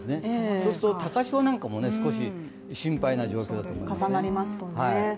そうすると高潮なんかも少し心配な状況ですよね。